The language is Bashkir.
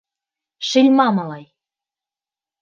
Шильма малай!